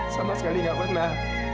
sama sekali gak pernah